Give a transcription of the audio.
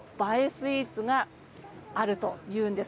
スイーツがあるというんです。